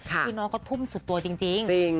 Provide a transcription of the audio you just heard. คือน้องเขาทุ่มสุดตัวจริง